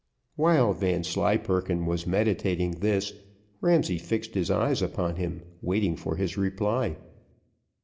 While Vanslyperken was meditating this, Ramsay fixed his eyes upon him waiting for his reply.